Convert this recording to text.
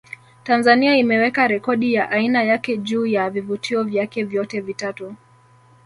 Tanzania imeweka rekodi ya aina yake juu ya vivutio vyake vyote vitatu